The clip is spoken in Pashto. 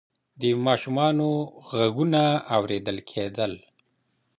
د ماشومانو غږونه اورېدل کېدل.